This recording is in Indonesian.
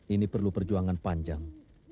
ini perlu perjuangan panjang